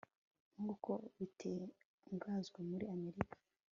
nkuko bitangazwa muri america